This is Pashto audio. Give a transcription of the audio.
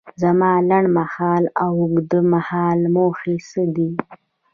زما لنډ مهاله او اوږد مهاله موخې څه دي؟